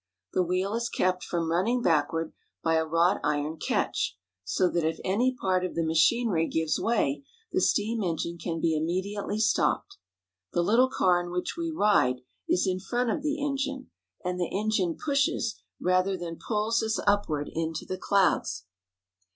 The wheel is kept from running backward by a wrought iron catch, so that if any part of the machinery gives way the steam engine can be immediately stopped. The little car in which we ride is in front of the engine, and the engine pushes rather than pulls us upward into the clouds.